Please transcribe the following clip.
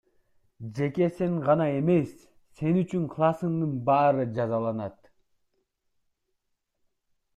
Жеке сен гана эмес, сен үчүн классыңдын баары жазаланат.